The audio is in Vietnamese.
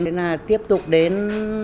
nên là tiếp tục đến